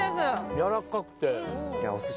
やわらかくて。